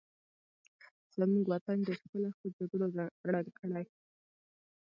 زمونږ وطن ډېر ښکلی خو جګړو ړنګ کړی